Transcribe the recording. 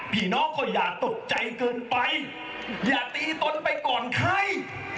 พี่น้องก็อย่าตกใจเกินไปอย่าตีตนไปก่อนใคร